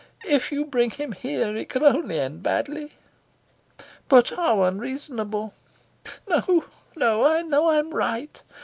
If you bring him here it can only end badly." "But how unreasonable!" "No, no. I know I'm right.